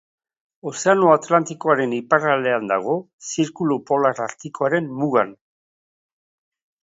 Ozeano Atlantikoaren iparraldean dago, Zirkulu Polar Artikoaren mugan.